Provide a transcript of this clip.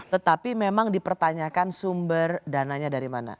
tetapi memang dipertanyakan sumber dananya dari mana